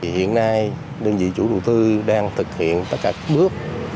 hiện nay đơn vị chủ đầu tư đang thực hiện tất cả các bước